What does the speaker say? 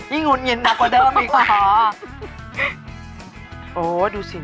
เฮ้ยหนุนอินนักกว่าเดิม